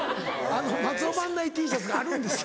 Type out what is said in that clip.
松尾伴内Ｔシャツがあるんですよ。